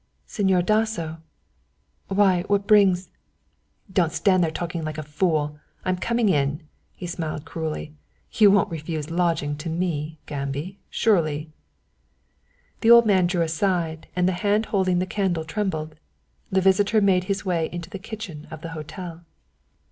"Señor Dasso why, what brings " "Don't stand there talking, fool, I'm coming in." He smiled cruelly. "You won't refuse a lodging to me, Gambi, surely." The old man drew aside, and the hand holding the candle trembled. The visitor made his way into the kitchen of the hotel.